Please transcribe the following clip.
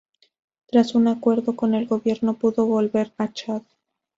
Tras un acuerdo con el gobierno pudo volver a Chad.